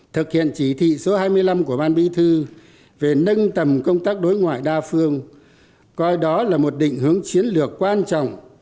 thực hiện chỉ thị số hai mươi năm của ban bí thư về nâng tầm công tác đối ngoại đa phương coi đó là một định hướng chiến lược quan trọng